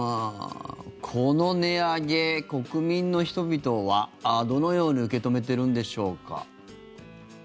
この値上げ、国民の人々はどのように受け止めているんでしょうか。